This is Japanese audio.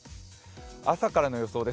朝からの予想です。